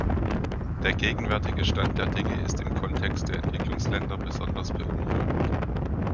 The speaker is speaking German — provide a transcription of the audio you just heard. Der gegenwärtige Stand der Dinge ist im Kontext der Entwicklungsländer besonders beunruhigend.